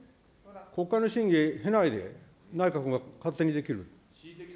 国会の審議経ないで、内閣が勝手にできる。